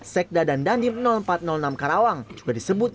sekda dan dandim empat ratus enam karawang juga disebut